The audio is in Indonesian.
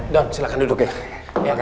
don silahkan duduk ya